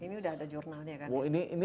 ini udah ada jurnalnya kan